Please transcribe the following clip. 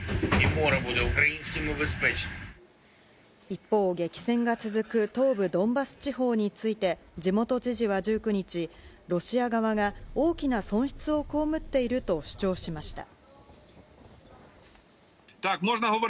一方、激戦が続く東部ドンバス地方について、地元知事は１９日、ロシア側が大きな損失を被っていると主張しました。